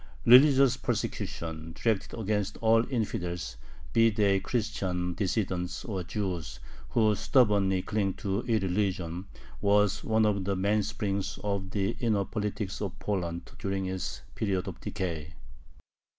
Religious persecution, directed against all "infidels," be they Christian dissidents or Jews "who stubbornly cling to irreligion," was one of the mainsprings of the inner politics of Poland during its period of decay.